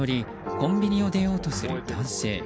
コンビニを出ようとする男性。